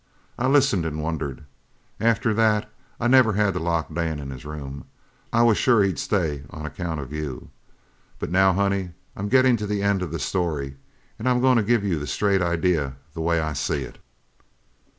I listened an' wondered. After that I never had to lock Dan in his room. I was sure he'd stay on account of you. But now, honey, I'm gettin' to the end of the story, an' I'm goin' to give you the straight idea the way I see it.